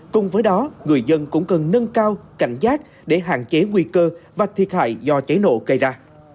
cùng với đó người dân cũng cần nâng cao cảnh giác để hạn chế nguy cơ và thiệt hại do cháy nổ gây ra